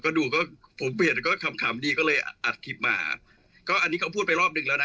ก็ดูก็ผมเปลี่ยนก็ขำขำดีก็เลยอัดคลิปมาก็อันนี้เขาพูดไปรอบหนึ่งแล้วนะ